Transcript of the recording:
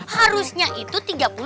harusnya itu tiga puluh tujuh puluh